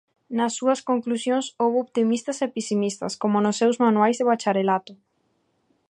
Nas súas conclusións houbo optimistas e pesimistas, como nos seus manuais de bacharelato.